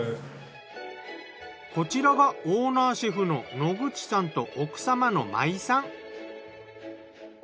こちらがオーナーシェフの野口さんと奥様の麻衣さん。